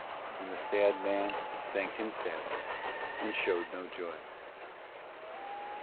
And the sad man thanked him sadly and showed no joy.